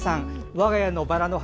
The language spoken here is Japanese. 我が家のバラの花